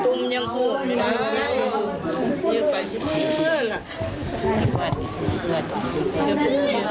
ตอนนี้ก็ไม่มีเวลาให้กลับมาเที่ยวกับเวลา